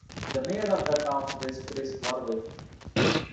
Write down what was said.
The mayor of the town is Chris Warwick.